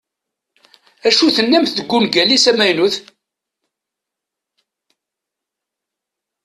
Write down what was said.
Acu tennamt deg ungal-is amaynut?